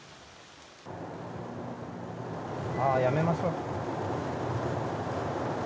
ああ、やめましょう。